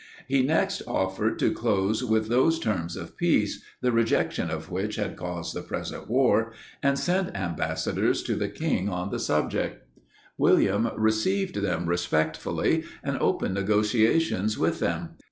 He next offered to close with those terms of peace, the rejection of which had caused the present war, and sent ambassadors to the king on the subject. William received them respectfully and opened negotiations with them.